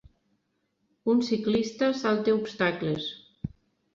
Un ciclista salta obstacles.